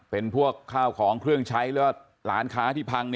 เป็นพวกข้าวของเครื่องใช้หรือว่าร้านค้าที่พัง